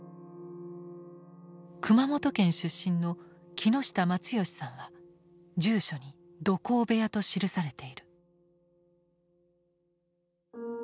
熊本県出身の木下松喜さんは住所に「土工部屋」と記されている。